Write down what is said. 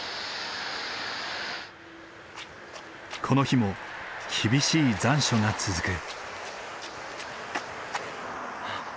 この日も厳しい残暑が続く。